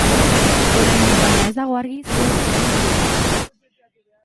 Oraindik, baina, ez dago argi zerk eragin zuen.